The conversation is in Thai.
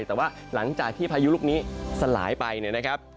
แต่ว่าหลังจากที่พายุลูกนี้สลายไปเนี่ยนะครับ